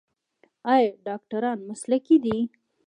آیا ډاکټران مسلکي دي؟